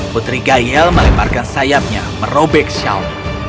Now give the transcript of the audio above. putri gayel meleparkan sayapnya merobek syal